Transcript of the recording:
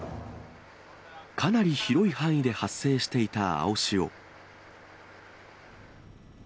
かなり広い範囲で発生していた青潮。